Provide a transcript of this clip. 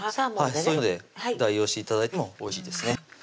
そういうので代用して頂いてもおいしいですね